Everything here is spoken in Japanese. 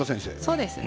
そうです。